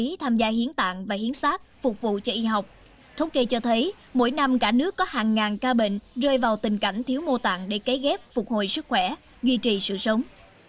y tế tham gia hiến tạng và hiến sát phục vụ cho y học thống kê cho thấy mỗi năm cả nước có hàng ngàn ca bệnh rơi vào tình cảnh thiếu mô tạng để cấy ghép phục hồi sức khỏe duy trì sự sống